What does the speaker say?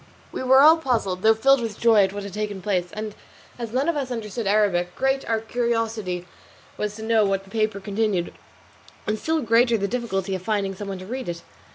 We were all puzzled, though filled with joy at what had taken place; and as none of us understood Arabic, great was our curiosity to know what the paper contained, and still greater the difficulty of finding some one to read it.